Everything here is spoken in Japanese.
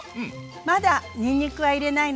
まだにんにくは入れないのよ。